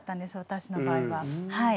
私の場合ははい。